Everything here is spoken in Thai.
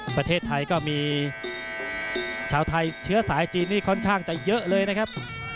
ประเทศไทยก็มีชาวไทยเชื้อสายจีนนี่ค่อนข้างจะเยอะเลยนะครับ